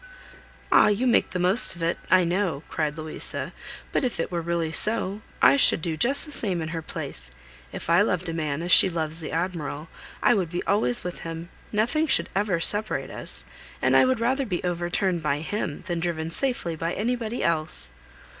"Ah! You make the most of it, I know," cried Louisa, "but if it were really so, I should do just the same in her place. If I loved a man, as she loves the Admiral, I would always be with him, nothing should ever separate us, and I would rather be overturned by him, than driven safely by anybody else."